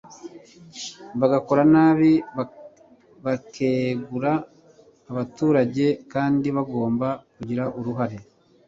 abakora nabi bakegura. abaturage kandi bagomba kugira uruhare